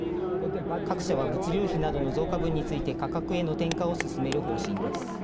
各社は物流費の増加分について価格への転嫁をすすめる方針です。